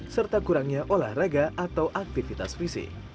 serta kurangnya olahraga atau aktivitas fisik